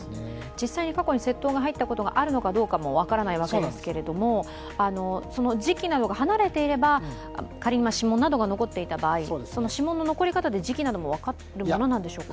実際に過去に窃盗に入ったことがあるかも分からないわけですが、時期などが離れていれば仮に指紋などが残っていた場合、指紋の残り方で時期などは分かるものなんでしょうか。